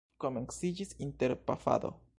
Komenciĝis interpafado.